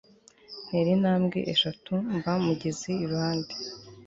ntera intambwe eshatu mba mugeze iruhande